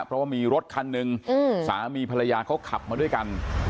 เพราะว่ามีรถคันหนึ่งสามีภรรยาเขาขับมาด้วยกัน